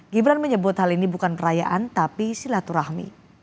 gibran menyebut hal ini bukan perayaan tapi silaturahmi